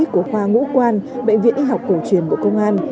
của khoa ngũ quan bệnh viện y học cổ truyền bộ công an